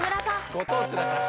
ご当地だから。